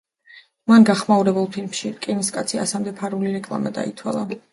მან გახმაურებულ ფილმში „რკინის კაცი“ ასამდე ფარული რეკლამა დაითვალა.